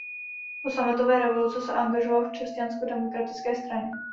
Po sametové revoluci se angažoval v Křesťanskodemokratické straně.